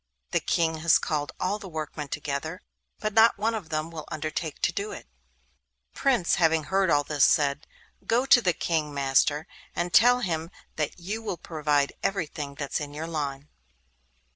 The King has called all the workmen together, but not one of them will undertake to do it.' The Prince, having heard all this, said, 'Go to the King, master, and tell him that you will provide everything that's in your line.